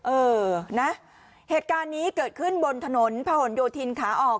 เออนะเหตุการณ์นี้เกิดขึ้นบนถนนผนโยธินขาออก